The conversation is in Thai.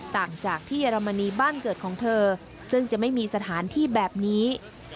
ต่างจากที่เยอรมนีบ้านเกิดของเธอซึ่งจะไม่มีสถานที่แบบนี้